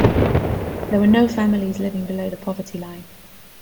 There were no families living below the poverty line.